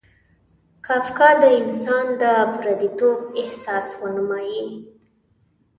کافکا د انسان د پردیتوب احساس ونمایي.